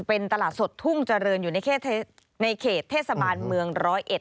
เป็นตลาดสดทุ่งเจริญอยู่ในเขตเทศบาลเมืองร้อยเอ็ด